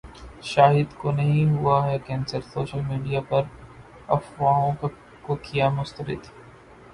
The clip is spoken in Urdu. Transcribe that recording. شاہد کونہیں ہوا ہے کینسر، سوشل میڈیا پرافواہوں کو کیا مسترد